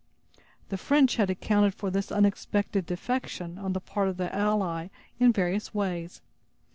The French had accounted for this unexpected defection on the part of their ally in various ways.